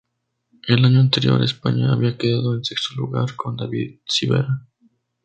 El año anterior, España había quedado en sexto lugar con David Civera.